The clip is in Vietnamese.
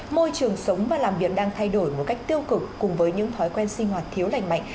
môi trường sống và làm việc đang thay đổi một cách tiêu cực cùng với những thói quen sinh hoạt thiếu lành mạnh